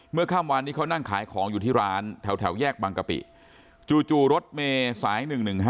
ข้ามวานนี้เขานั่งขายของอยู่ที่ร้านแถวแยกบางกะปิจู่รถเมย์สาย๑๑๕